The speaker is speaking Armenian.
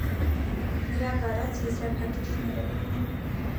Նրա վարած եզրափակիչները։